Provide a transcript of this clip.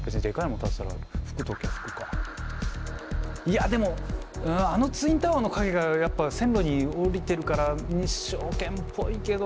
いやでもあのツインタワーの影がやっぱ線路におりてるから日照権っぽいけど。